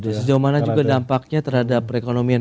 nah itu juga sejauh mana juga dampaknya terhadap perekonomian